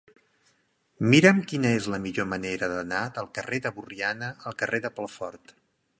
Mira'm quina és la millor manera d'anar del carrer de Borriana al carrer de Pelfort.